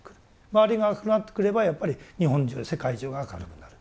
周りが明るくなってくればやっぱり日本中世界中が明るくなる。